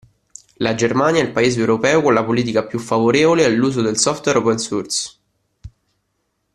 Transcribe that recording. La Germania è il paese europeo con la politica più favorevole all'uso del software open source.